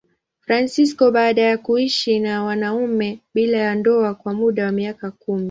Fransisko baada ya kuishi na mwanamume bila ya ndoa kwa muda wa miaka kumi.